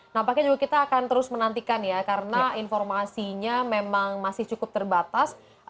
nampaknya juga kita akan terus menantikan ya karena informasinya memang masih cukup terbatas